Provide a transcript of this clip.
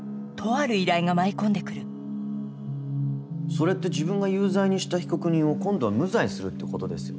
それって自分が有罪にした被告人を今度は無罪にするってことですよね？